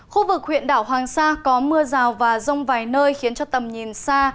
khu vực huyện đảo hoàng sa có mưa rào và rông vài nơi khiến cho tầm nhìn xa